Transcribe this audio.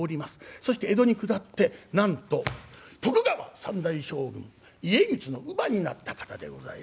そして江戸に下ってなんと徳川三代将軍家光の乳母になった方でございます。